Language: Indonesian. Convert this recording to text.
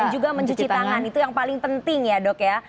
dan juga mencuci tangan itu yang paling penting ya dok ya